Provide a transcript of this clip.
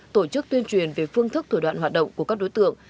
tổ chức tuyên truyền về phương thức thủ đoạn hoạt động của các đối tượng